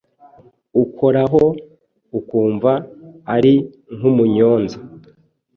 Ukoraho ukumva ari nk'umunyonza